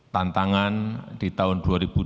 tantangan di tahun dua ribu dua puluh